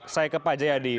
saya ke pak jayadi